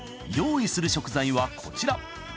用意する食材はこちら